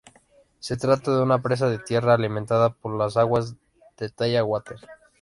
Se trata de una presa de tierra alimentada por las aguas del Talla Water.